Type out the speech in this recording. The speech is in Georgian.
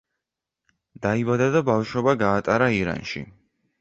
დაიბადა და ბავშვობა გაატარა ირანში.